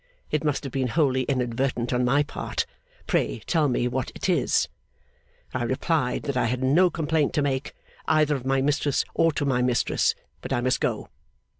It must have been wholly inadvertent on my part. Pray tell me what it is.' I replied that I had no complaint to make, either of my Mistress or to my Mistress; but I must go.